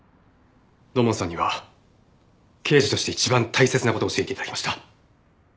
土門さんには刑事として一番大切な事を教えて頂きました。